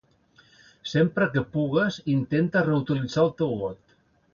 Sempre que pugues, intenta reutilitzar el teu got.